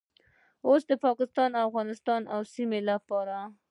اوس د پاکستان، افغانستان او سیمې لپاره